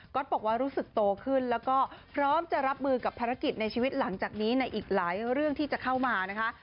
บอกว่ารู้สึกโตขึ้นแล้วก็พร้อมจะรับมือกับภารกิจในชีวิตหลังจากนี้ในอีกหลายเรื่องที่จะเข้ามานะคะ